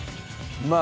まあ